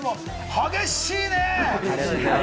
激しいね！